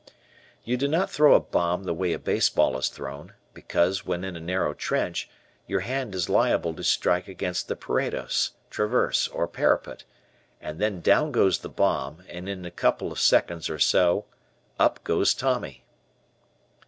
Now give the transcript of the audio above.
You do not throw a bomb the way a baseball is thrown, because, when in a narrow trench, your hand is liable to strike against the parados, traverse, or parapet, and then down goes the bomb, and, in a couple of seconds or so, up goes Tommy.